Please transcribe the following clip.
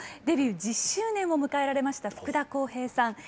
デビュー１０周年を迎えられました福田こうへいさん。